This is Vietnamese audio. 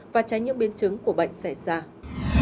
và tránh những biến chứng của bệnh xảy ra